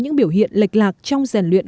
những biểu hiện lệch lạc trong giàn luyện